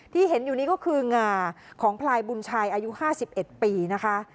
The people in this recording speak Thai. ที่เห็นอยู่นี้ก็คืองาของพลายบุญชัยอายุ๕๑ปีนะคะ